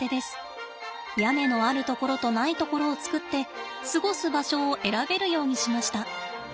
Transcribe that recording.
屋根のある所とない所を作って過ごす場所を選べるようにしました。